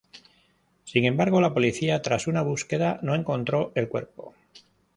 Sin embargo, la policía, tras una búsqueda, no encontró el cuerpo.